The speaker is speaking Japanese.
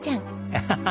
アハハハ。